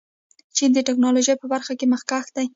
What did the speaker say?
چین د ټیکنالوژۍ په برخه کې مخکښ دی.